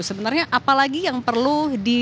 sebenarnya apalagi yang perlu di